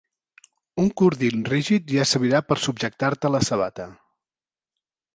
Un cordill rígid ja servirà per subjectar-te la sabata.